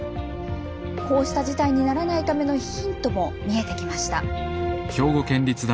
こうした事態にならないためのヒントも見えてきました。